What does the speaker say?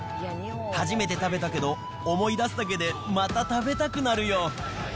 初めて食べたけど、思い出すだけで、また食べたくなるよ。